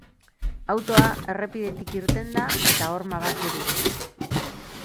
Autoa errepidetik irten da, eta horma bat jo du.